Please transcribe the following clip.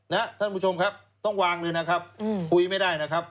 ท่านผู้ชมครับต้องวางเลยนะครับคุยไม่ได้นะครับ